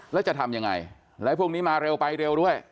แล้วจะทำยังไงแล้วพวกนี้มาเร็วไปเร็วด้วย